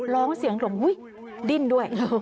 ร้องเสียงหลงอุ๊ยดิ้นด้วย